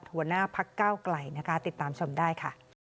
หัวหน้าพักเก้าไกลนะคะติดตามชมได้ค่ะ